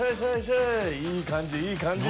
いい感じいい感じ